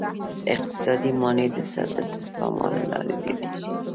اقتصادي منابع د سپما له لارې زیاتیږي.